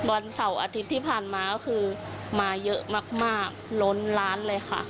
วันเสาร์อาทิตย์ที่ผ่านมาก็คือมาเยอะมากล้นล้านเลยค่ะ